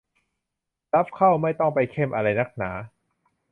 รับเข้าไม่ต้องไปเข้มอะไรนักหนา